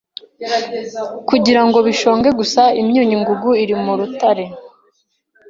kugirango bishonge gusa imyunyu ngugu iri murutare